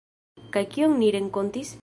Kaj kion ni renkontis?